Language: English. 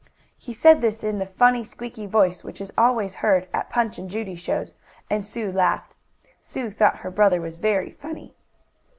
'" He said this in the funny, squeaky voice which is always heard at Punch and Judy shows, and Sue laughed. She thought her brother was very funny.